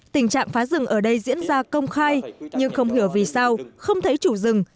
tình trạng phá rừng ở đây diễn ra công khai nhưng không hiểu vì sao không thấy chủ rừng